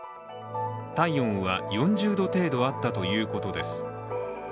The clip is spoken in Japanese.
体温は４０度程度あったということです。